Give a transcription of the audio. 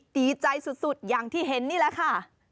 ดีใจสุดอย่างที่เห็นนี่แหละค่ะ